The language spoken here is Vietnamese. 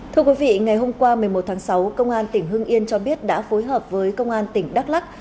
thưa quý vị ngày hôm qua một mươi một tháng sáu công an tỉnh hưng yên cho biết đã phối hợp với công an tỉnh đắk lắc